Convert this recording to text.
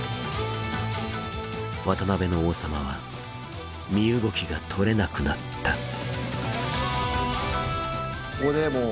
渡辺の王様は身動きが取れなくなったここでもう。